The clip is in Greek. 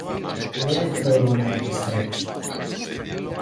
Δεν μπορώ να επιστρέψω.